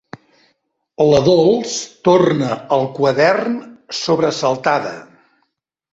La Dols torna al quadern, sobresaltada.